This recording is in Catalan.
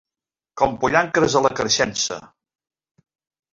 Com pollancres a la creixença;